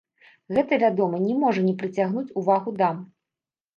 Гэта, вядома, не можа не прыцягнуць увагу дам.